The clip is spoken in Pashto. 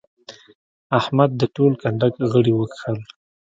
احمد د ټول کنډک غړي وکښل.